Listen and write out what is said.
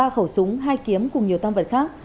ba khẩu súng hai kiếm cùng nhiều tăng vật khác